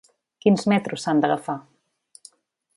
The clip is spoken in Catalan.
Quins metros s’han d’agafar?